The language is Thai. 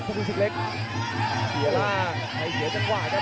กระโดยสิ้งเล็กนี่ออกกันขาสันเหมือนกันครับ